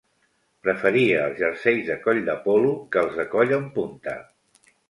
Preferia els jerseis de coll de polo que els de coll en punta